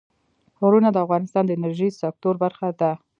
غرونه د افغانستان د انرژۍ سکتور برخه ده.